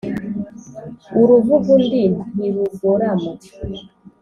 uruvuga undi ntirugorama